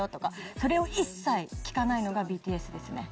それを一切聞かないのがＢＴＳですね。